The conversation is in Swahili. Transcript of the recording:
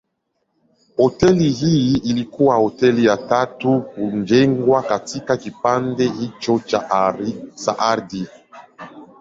Hoteli hii ilikuwa hoteli ya tatu kujengwa katika kipande hicho cha ardhi.